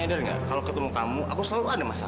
sekarang who zahara mengitur veika